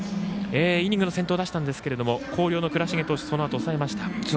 イニングの先頭出したんですけど広陵の倉重投手そのあと抑えました。